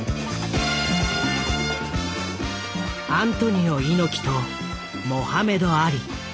アントニオ猪木とモハメド・アリ。